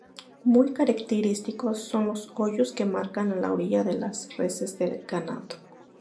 Muy característicos son los hoyos que marcan en la orilla las reses de ganado.